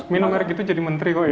minum merek gitu jadi menteri kok ya